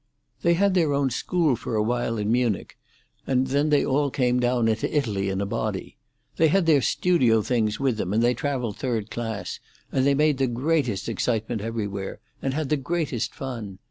"They had their own school for a while in Munich, and then they all came down into Italy in a body. They had their studio things with them, and they travelled third class, and they made the greatest excitement everywhere, and had the greatest fun.